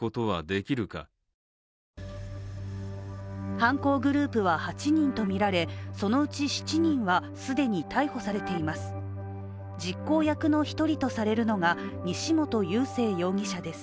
犯行グループは８人とみられそのうち７人は既に逮捕されています。